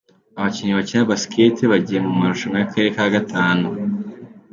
Abakinnyi bakina basikete bagiye mu marushanwa y’Akarere ka gatanu